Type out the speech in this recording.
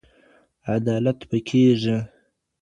عدالت به کيږي.